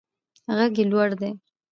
غږ یې لوړ دی.